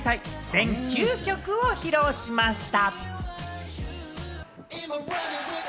全９曲を披露しました。